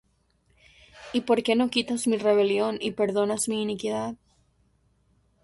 ¿Y por qué no quitas mi rebelión, y perdonas mi iniquidad?